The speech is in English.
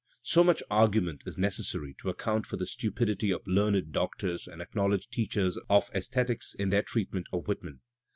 So much argument is necessary to account for the stupidity ' of learned doctors and acknowledged teachers of aesthetics ' in their treatment of Whitman.